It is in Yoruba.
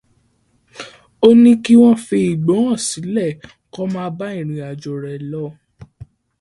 Ó ní kí wọ́n fi Ìgbòho sílẹ̀ kó máa bá ìrìnàjò rẹ̀ lọ